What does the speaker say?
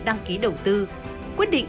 đăng ký đầu tư quyết định